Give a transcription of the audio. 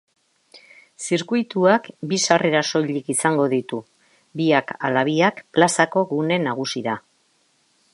Zirkuituak bi sarrera soilik izango ditu, biak ala biak plazako gune nagusira.